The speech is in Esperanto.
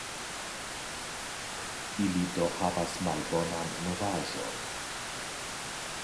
Ili do havas malbonan novaĵon.